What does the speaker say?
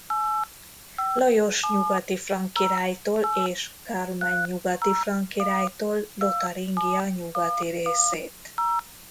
Lajos nyugati frank királytól és Karlmann nyugati frank királytól Lotaringia nyugati részét.